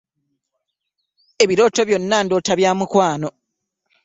Ebirooto byonna ndoota bya mukwano.